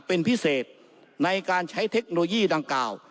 เป็นพิเศษในการใช้เทคโนโลยีดังกล่าว